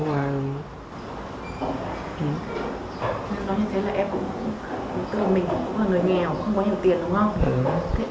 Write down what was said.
nói như thế là em cũng tức là mình cũng là người nghèo